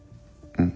うん。